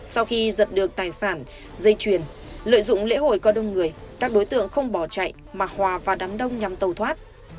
sau khi giật được tài sản dây chuyền lợi dụng lễ hội có đông người các đối tượng không bỏ chạy mà hòa và đắng đông nhằm tẩu thoát